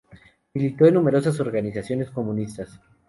Militó en numerosas organizaciones comunistas.